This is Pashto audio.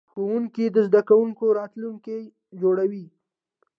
ښوونکی د زده کوونکي راتلونکی جوړوي.